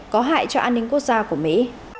có hại cho an ninh quốc gia của mỹ